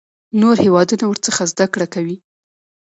نور هیوادونه ورڅخه زده کړه کوي.